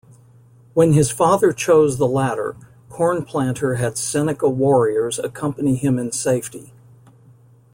When his father chose the latter, Cornplanter had Seneca warriors accompany him in safety.